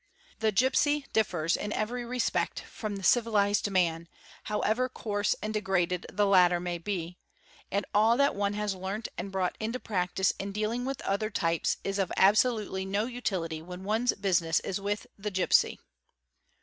The ¢ ipsy differs in every respect from the civilised man, however coarse and degraded the latter may be; and all that one has learnt and brought into | practice in dealing with other types is of absolutely no utility when one's business is with the gipsy.